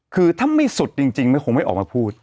คือถ้าไม่สุดจริงไม่คงไม่ออกมาพูด